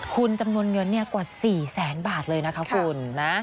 คุณจำนวนเงินกว่า๔แสนบาทเลยนะคะคุณนะ